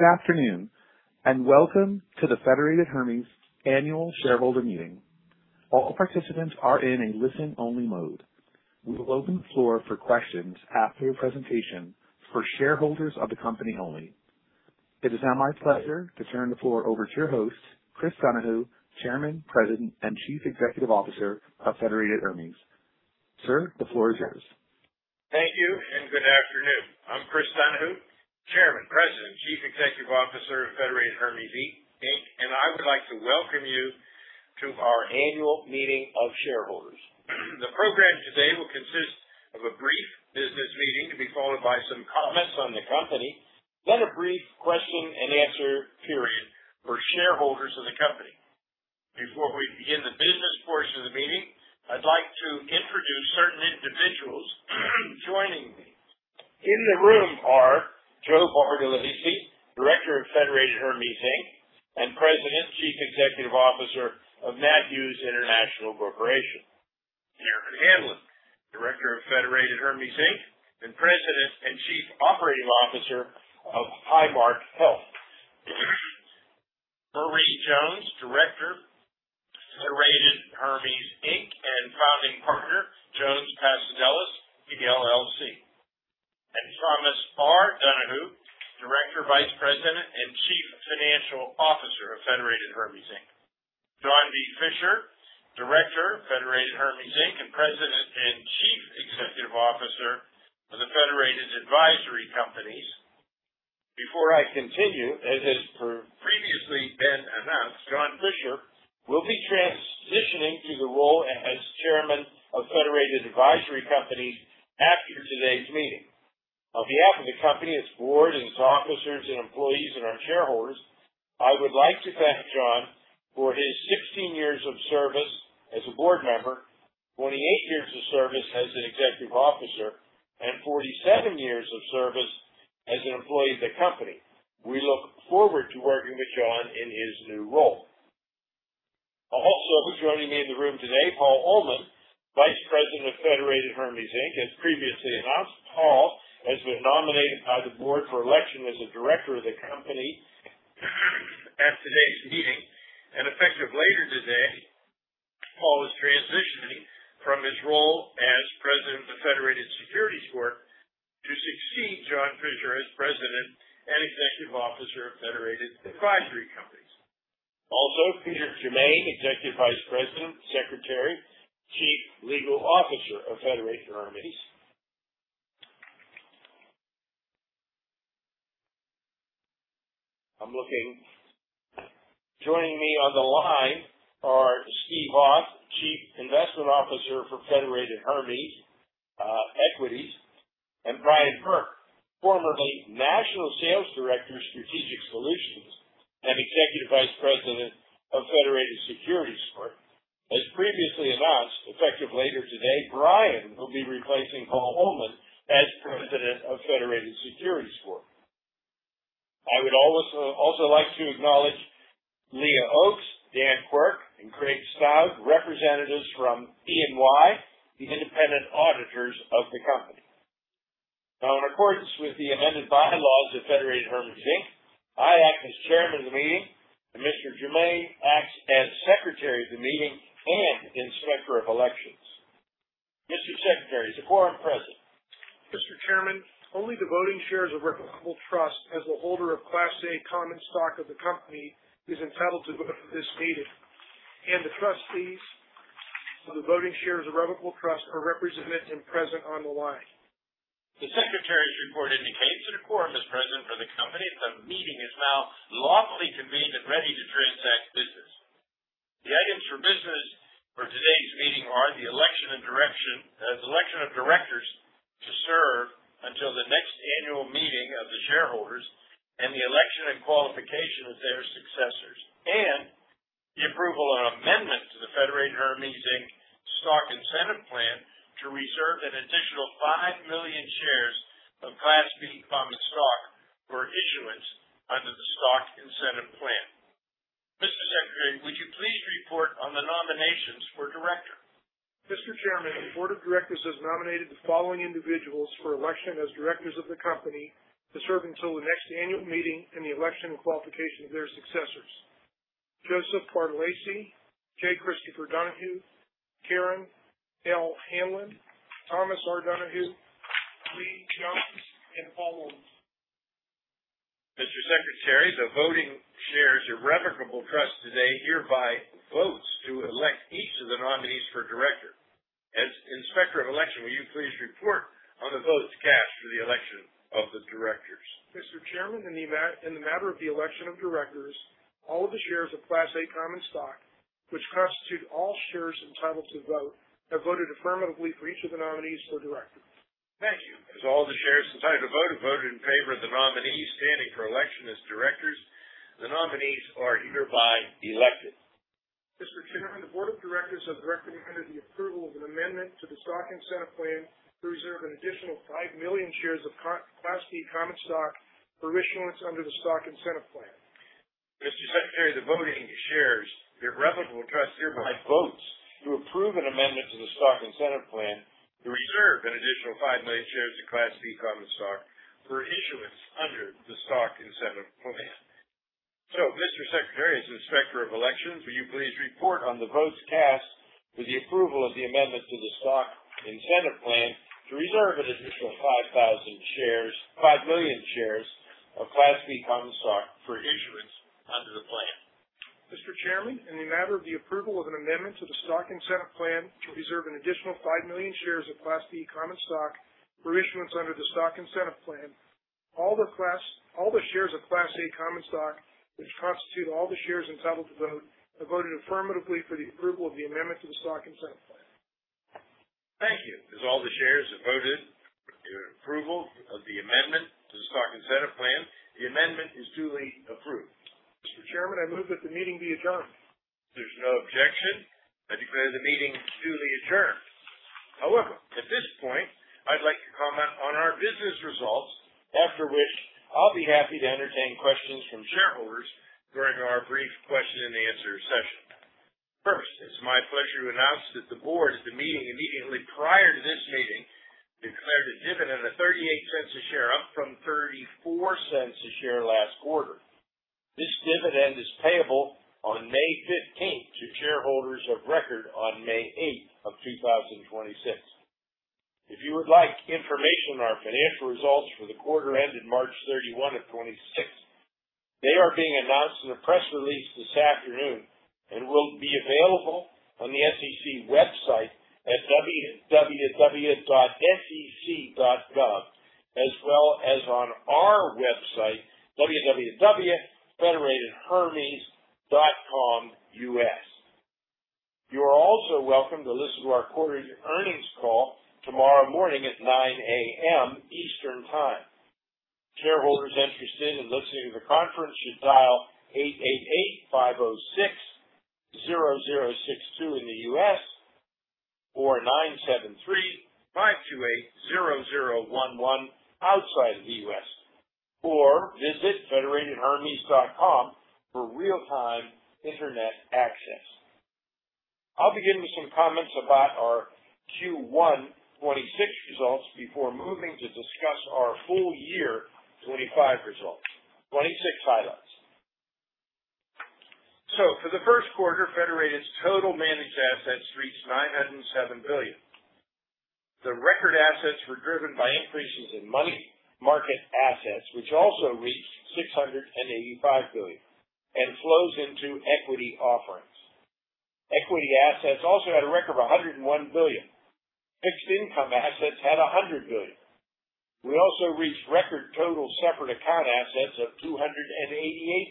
Good afternoon, and welcome to the Federated Hermes Annual Shareholder Meeting. All participants are in a listen-only mode. We will open the floor for questions after the presentation for shareholders of the company only. It is now my pleasure to turn the floor over to your host, Chris Donahue, Chairman, President, and Chief Executive Officer of Federated Hermes. Sir, the floor is yours. Thank you and good afternoon. I'm Chris Donahue, Chairman, President, Chief Executive Officer of Federated Hermes, Inc., and I would like to welcome you to our annual meeting of shareholders. The program today will consist of a brief business meeting to be followed by some comments on the company, then a brief question and answer period for shareholders of the company. Before we begin the business portion of the meeting, I'd like to introduce certain individuals joining me. In the room are Joe Bartolacci, Director of Federated Hermes, Inc., and President, Chief Executive Officer of Matthews International Corporation. Karen Hanlon, Director of Federated Hermes, Inc., and President and Chief Operating Officer of Highmark Health. Marie Jones, Director, Federated Hermes, Inc., and Founding Partner, Jones Pasadella, PLLC. Thomas R. Donahue, Director, Vice President, and Chief Financial Officer of Federated Hermes, Inc. John B. Fisher, Director, Federated Hermes, Inc., and President and Chief Executive Officer of the Federated Advisory Companies. Before I continue, as has previously been announced, John B. Fisher will be transitioning to the role as Chairman of Federated Advisory Companies after today's meeting. On behalf of the company, its board, and its officers and employees and our shareholders, I would like to thank John for his 16 years of service as a board member, 28 years of service as an executive officer, and 47 years of service as an employee of the company. We look forward to working with John in his new role. Also joining me in the room today, Paul Uhlman, Vice President of Federated Hermes, Inc. As previously announced, Paul has been nominated by the board for election as a director of the company at today's meeting. Effective later today, Paul Uhlman is transitioning from his role as President of Federated Securities Corp to succeed John Fisher as President and Executive Officer of Federated Advisory Companies. Also, Peter Germain, Executive Vice President, Secretary, Chief Legal Officer of Federated Hermes. Joining me on the line are Stephen Auth, Chief Investment Officer for Federated Hermes Equities, and Bryan M. Burke, formerly National Sales Director, Strategic Solutions and Executive Vice President of Federated Securities Corp. As previously announced, effective later today, Bryan M. Burke will be replacing Paul Uhlman as President of Federated Securities Corp. I would also like to acknowledge Leah Oakes, Dan Quirk, and Craig Stout, representatives from E&Y, the independent auditors of the company. In accordance with the amended bylaws of Federated Hermes, Inc., I act as Chairman of the meeting, and Mr. Germain acts as Secretary of the meeting and Inspector of Elections. Mr. Secretary, is the quorum present? Mr. Chairman, only the voting shares of revocable trust as the holder of Class A common stock of the company is entitled to vote at this meeting. The trustees of the voting shares of revocable trust are represented and present on the line. The secretary's report indicates that a quorum is present for the company, and the meeting is now lawfully convened and ready to transact business. The items for business for today's meeting are the election and direction, the election of directors to serve until the next annual meeting of the shareholders and the election and qualification of their successors. The approval and amendment to the Federated Hermes, Inc. stock incentive plan to reserve an additional 5 million shares of Class B common stock for issuance under the stock incentive plan. Mr. Secretary, would you please report on the nominations for director? Mr. Chairman, the board of directors has nominated the following individuals for election as directors of the company to serve until the next annual meeting in the election and qualification of their successors. Joseph Bartolacci, J. Christopher Donahue, Karen L. Hanlon, Thomas R. Donahue, Marie Milie Jones, and Paul Uhlman. Mr. Secretary, the voting shares of revocable trust today hereby vote to elect each of the nominees for Director. As Inspector of Election, will you please report on the votes cast for the election of the Directors? Mr. Chairman, in the matter of the election of directors, all of the shares of Class A common stock, which constitute all shares entitled to vote, have voted affirmatively for each of the nominees for director. Thank you. As all the shares entitled to vote have voted in favor of the nominees standing for election as directors, the nominees are hereby elected. Mr. Chairman, the board of directors have directly amended the approval of an amendment to the Stock Incentive Plan to reserve an additional 5 million shares of Class B common stock for issuance under the Stock Incentive Plan. Mr. Secretary, the voting shares, the irrevocable trust hereby votes to approve an amendment to the stock incentive plan to reserve an additional 5 million shares of Class B common stock for issuance under the stock incentive plan. Mr. Secretary, as Inspector of Elections, will you please report on the votes cast for the approval of the amendment to the stock incentive plan to reserve an additional 5 million shares of Class B common stock for issuance under the plan? Mr. Chairman, in the matter of the approval of an amendment to the stock incentive plan to reserve an additional 5 million shares of Class B common stock for issuance under the stock incentive plan, all the shares of Class A common stock, which constitute all the shares entitled to vote, have voted affirmatively for the approval of the amendment to the stock incentive plan. Thank you. As all the shares have voted their approval of the amendment to the stock incentive plan, the amendment is duly approved. Mr. Chairman, I move that the meeting be adjourned. If there's no objection, I declare the meeting duly adjourned. However, at this point, I'd like to comment on our business results, after which I'll be happy to entertain questions from shareholders during our brief question-and-answer session. First, it's my pleasure to announce that the board, at the meeting immediately prior to this meeting, declared a dividend of $0.38 a share, up from $0.34 a share last quarter. This dividend is payable on May 15th to shareholders of record on May 8th of 2026. If you would like information on our financial results for the quarter ended 31st March 2026, they are being announced in a press release this afternoon and will be available on the SEC website at www.sec.gov, as well as on our website, www.federatedhermes.comus. You are also welcome to listen to our quarterly earnings call tomorrow morning at 9:00 A.M. Eastern Time. Shareholders interested in listening to the conference should dial 888-506-0062 in the U.S., or 973-528-0011 outside of the U.S., or visit federatedhermes.com for real-time internet access. I'll begin with some comments about our Q1 2026 results before moving to discuss our full year 2025 results, 2026 highlights. For the first quarter, Federated's total managed assets reached $907 billion. The record assets were driven by increases in money market assets, which also reached $685 billion, and flows into equity offerings. Equity assets also had a record of $101 billion. Fixed income assets had $100 billion. We also reached record total separate account assets of $288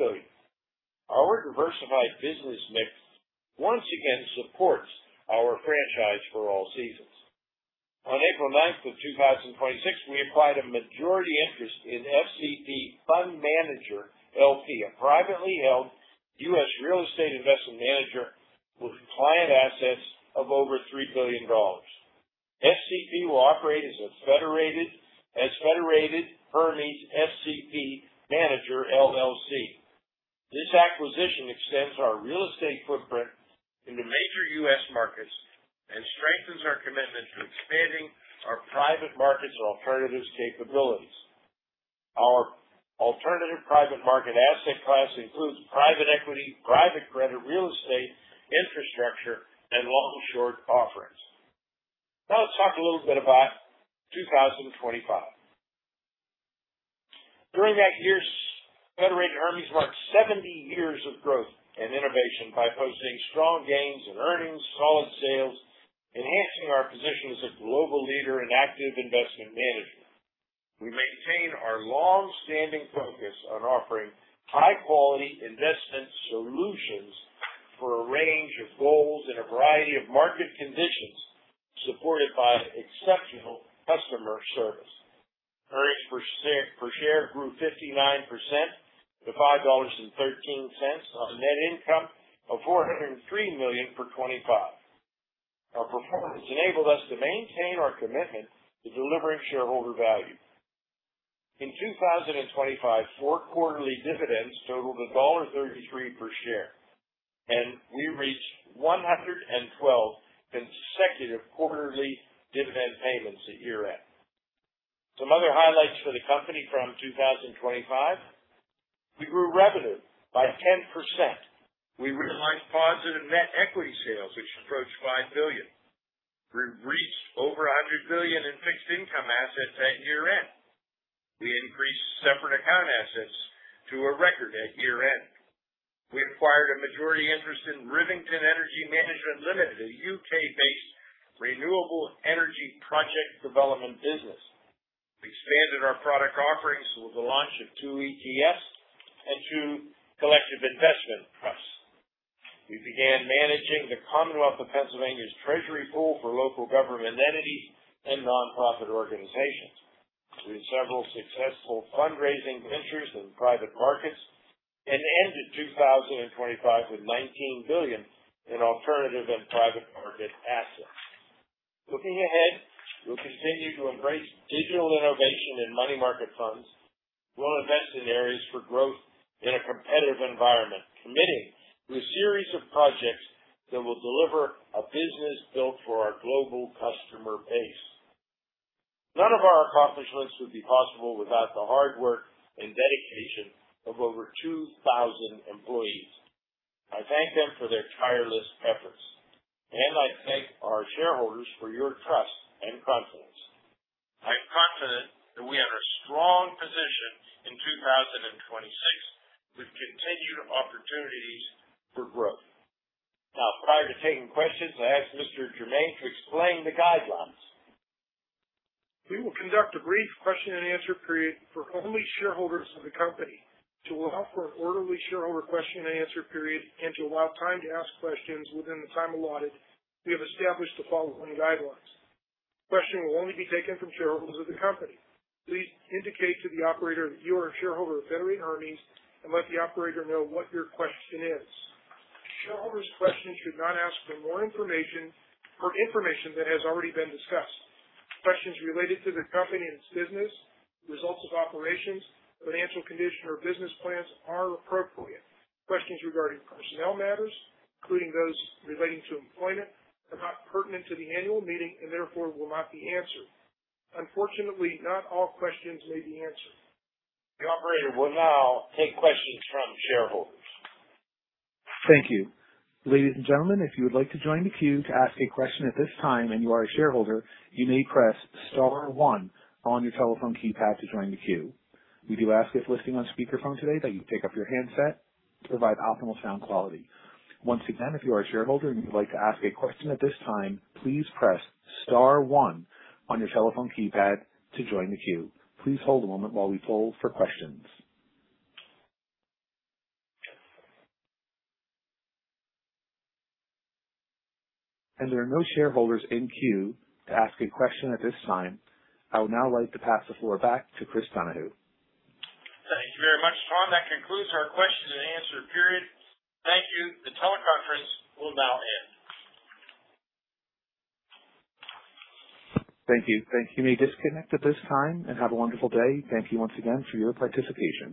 billion. Our diversified business mix once again supports our franchise for all seasons. On April 9th, 2026, we acquired a majority interest in FCP Fund Manager, L.P., a privately held U.S. real estate investment manager with client assets of over $3 billion. FCP will operate as Federated Hermes FCP Manager, LLC. This acquisition extends our real estate footprint into major U.S. markets and strengthens our commitment to expanding our private markets and alternatives capabilities. Our alternative private market asset class includes private equity, private credit, real estate, infrastructure, and long/short offerings. Let's talk a little bit about 2025. During that year Federated Hermes marked 70 years of growth and innovation by posting strong gains in earnings, solid sales, enhancing our position as a global leader in active investment management. We maintain our long-standing focus on offering high-quality investment solutions for a range of goals in a variety of market conditions, supported by exceptional customer service. Earnings per share grew 59% to $5.13 on net income of $403 million for 2025. Our performance enabled us to maintain our commitment to delivering shareholder value. In 2025, four quarterly dividends totaled $1.33 per share, and we reached 112 consecutive quarterly dividend payments at year-end. Some other highlights for the company from 2025. We grew revenue by 10%. We realized positive net equity sales, which approached $5 billion. We reached over $100 billion in fixed income assets at year-end. We increased separate account assets to a record at year-end. We acquired a majority interest in Rivington Energy Management Limited, a U.K.-based renewable energy project development business. We expanded our product offerings with the launch of two ETFs and two Collective Investment Trusts. We began managing the Commonwealth of Pennsylvania's treasury pool for local government entities and nonprofit organizations. We had several successful fundraising ventures in private markets and ended 2025 with $19 billion in alternative and private market assets. Looking ahead, we'll continue to embrace digital innovation in money market funds. We'll invest in areas for growth in a competitive environment, committing to a series of projects that will deliver a business built for our global customer base. None of our accomplishments would be possible without the hard work and dedication of over 2,000 employees. I thank them for their tireless efforts, and I thank our shareholders for your trust and confidence. I am confident that we have a strong position in 2026 with continued opportunities for growth. Now, prior to taking questions, I ask Mr. Germain to explain the guidelines. We will conduct a brief question and answer period for only shareholders of the company. To allow for an orderly shareholder question and answer period, and to allow time to ask questions within the time allotted, we have established the following guidelines. Questions will only be taken from shareholders of the company. Please indicate to the operator that you are a shareholder of Federated Hermes and let the operator know what your question is. Shareholders' questions should not ask for more information or information that has already been discussed. Questions related to the company and its business, results of operations, financial condition, or business plans are appropriate. Questions regarding personnel matters, including those relating to employment, are not pertinent to the annual meeting and therefore will not be answered. Unfortunately, not all questions may be answered. The operator will now take questions from shareholders. Thank you. Ladies and gentlemen, if you would like to join the queue to ask a question at this time and you are a shareholder, you may press star one on your telephone keypad to join the queue. We do ask if listening on speakerphone today that you pick up your handset to provide optimal sound quality. Once again, if you are a shareholder and you would like to ask a question at this time, please press star one on your telephone keypad to join the queue. Please hold a moment while we poll for questions. There are no shareholders in queue to ask a question at this time. I would now like to pass the floor back to Chris Donahue. Thank you very much, Sean. That concludes our question and answer period. Thank you. The teleconference will now end. Thank you. Thank you. You may disconnect at this time, and have a wonderful day. Thank you once again for your participation.